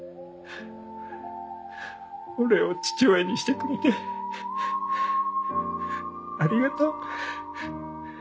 俺を父親にしてくれてありがとう。